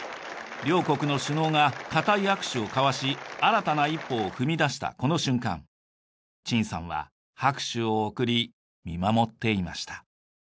両国の首脳が固い握手を交わし新たな一歩を踏み出したこの瞬間陳さんは拍手を送り見守っていました。